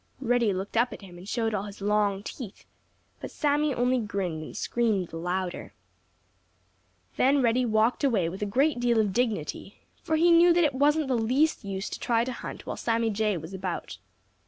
Reddy looked up at him and showed all his long teeth, but Sammy only grinned and screamed the louder. Then Reddy walked away with a great deal of dignity, for he knew that it wasn't the least use to try to hunt while Sammy Jay was about.